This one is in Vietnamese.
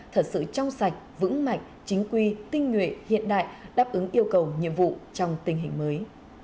thật sự trong sạch vững mạnh chính quy tinh nguyện hiện đại đáp ứng yêu cầu nhiệm vụ trong tình hình mới